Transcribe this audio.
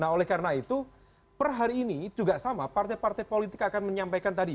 nah oleh karena itu per hari ini juga sama partai partai politik akan menyampaikan tadi